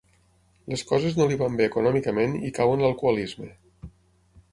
Les coses no li van bé econòmicament i cau en l'alcoholisme.